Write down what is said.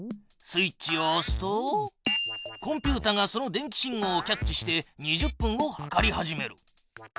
スイッチをおすとコンピュータがその電気信号をキャッチして２０分を計り始める。